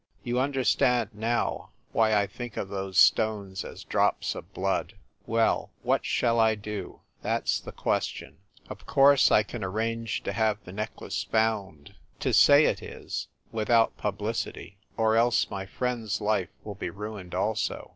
"You understand, now, why I think of those stones as drops of blood! Well, what shall I do? That s the question. Of course, I can arrange to have the necklace found, to say it is, without pub licity, or else my friend s life will be ruined also.